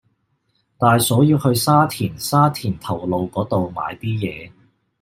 大嫂要去沙田沙田頭路嗰度買啲嘢